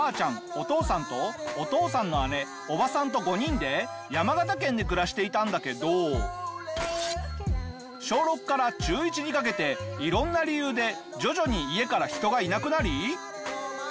お父さんとお父さんの姉伯母さんと５人で山形県で暮らしていたんだけど小６から中１にかけて色んな理由で徐々に家から人がいなくなり。